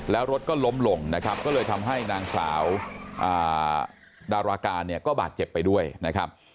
แล้วรถก็ล้มลงนะครับก็เลยทำให้นางสาวดาราการเนี่ยก็บาดเจ็บไปด้วยนะครับ